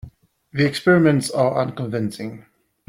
The experiments are unconvincing.